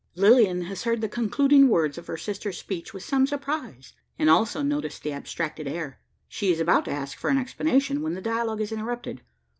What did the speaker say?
Lilian has heard the concluding words of her sister's speech with some surprise, and also noticed the abstracted air. She is about to ask for an explanation, when the dialogue is interrupted.